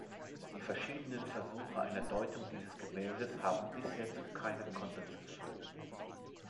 Die verschiedenen Versuche einer Deutung dieses Gemäldes haben bisher zu keinem Konsens geführt.